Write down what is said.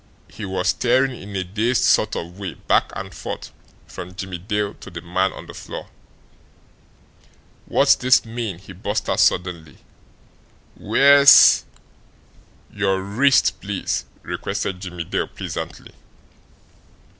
He was staring in a dazed sort of way back and forth from Jimmie Dale to the man on the floor. "What's this mean?" he burst out suddenly, "Where's " "Your wrist, please!" requested Jimmie Dale pleasantly.